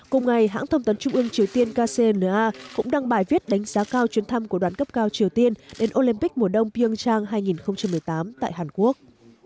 cùng ngày hãng thông tấn trung ương triều tiên kcna cũng đăng bài viết đánh giá cao chuyến thăm của đoàn cấp cao triều tiên đến olympic mùa đông ping trang hai nghìn một mươi tám tại hàn quốc